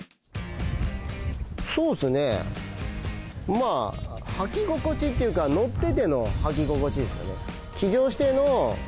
まぁ履き心地っていうか乗ってての履き心地ですかね。